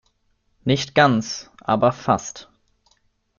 Nicht ganz, aber fast.